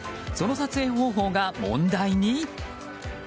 その撮影方法が問題に？